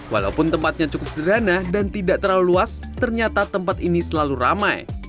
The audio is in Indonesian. walaupun tempatnya cukup sederhana dan tidak terlalu luas ternyata tempat ini selalu ramai